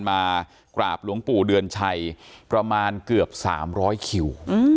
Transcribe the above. มากราบหลวงปู่เดือนชัยประมาณเกือบ๓๐๐คิว